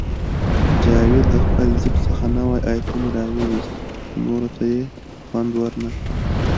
جاوید له خپل جیب څخه نوی آیفون راوویست، خو نورو ته یې خوند ورنکړ